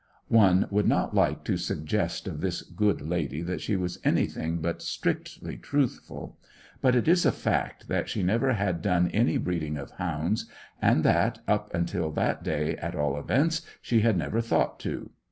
One would not like to suggest of this good lady that she was anything but strictly truthful; but it is a fact that she never had done any breeding of hounds, and that, up till that day at all events, she had never thought to.